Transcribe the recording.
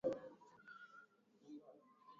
Bangi inafanyaka mutu sa wa bazimu